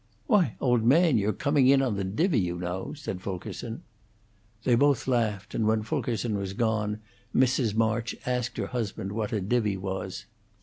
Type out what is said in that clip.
"Why, old man, you're coming in on the divvy, you know," said Fulkerson. They both laughed, and when Fulkerson was gone, Mrs. March asked her husband what a divvy was.